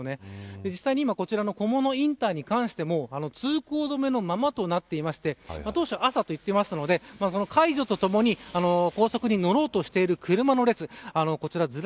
実際に、こちらの菰野インターに関しても通行止めのままとなっていまして当初、朝といってましたのでその解除とともに高速に乗ろうとしている車の列